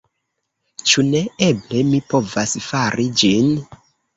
Ĉu ne? Eble mi povas fari ĝin.